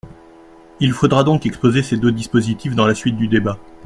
Il faudra donc exposer ces deux dispositifs dans la suite du débat.